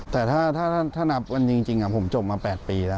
แต่ถ้านับวันจริงผมจบมา๘ปีแล้ว